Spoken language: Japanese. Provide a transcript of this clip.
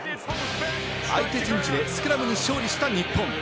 相手陣地でスクラムに勝利した日本。